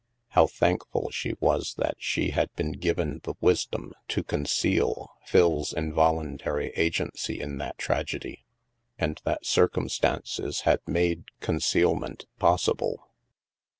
How thankful she was that she had been given the wisdom to conceal Phil's involuntary agency in that tragedy — and that circumstances had made con cealment possible.